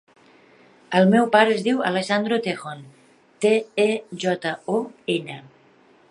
El meu pare es diu Alessandro Tejon: te, e, jota, o, ena.